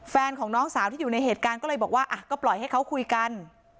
แฟนของน้องสาวที่อยู่ในเหตุการณ์ก็เลยบอกว่าก็ปล่อยให้เขาคุยกัน